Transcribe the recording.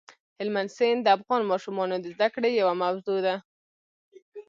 هلمند سیند د افغان ماشومانو د زده کړې یوه موضوع ده.